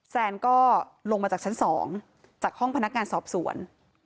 แซนก็ลงมาจากชั้น๒จากห้องพนักงานสอบสวน